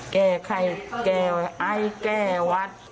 แก่ไข่แก่ไอ้แก่วัด